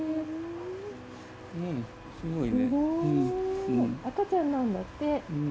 すごーい、赤ちゃんなんだって。